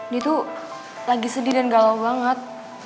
dia tuh lagi sedih dan galau banget